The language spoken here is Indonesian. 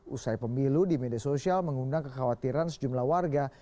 usai pemilu di media sosial mengundang kekhawatiran sejumlah warga